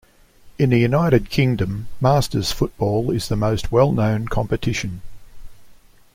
In the United Kingdom, Masters Football is the most well-known competition.